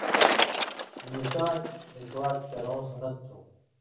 مِساک(مسواک) کَرٶں سنت تھو۔